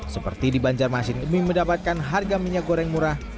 seperti di banjarmasin demi mendapatkan harga minyak goreng murah